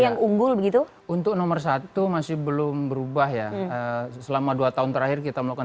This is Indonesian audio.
yang unggul begitu untuk nomor satu masih belum berubah ya selama dua tahun terakhir kita melakukan